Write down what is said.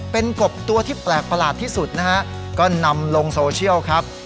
เป็นกบตัวที่แปลกประหลาดที่สุดนะฮะก็นำลงโซเชียลครับ